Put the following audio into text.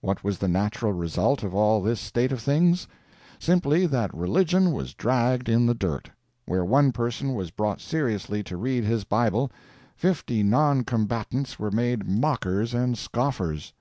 What was the natural result of all this state of things? Simply that religion was dragged in the dirt. Where one person was brought seriously to read his Bible, fifty non combatants were made mockers and scoffers.